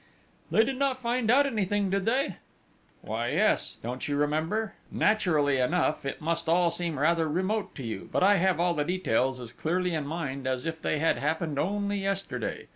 "They did not find out anything, did they?" "Why, yes!... Don't you remember?... Naturally enough, it must all seem rather remote to you, but I have all the details as clearly in mind as if they had happened only yesterday....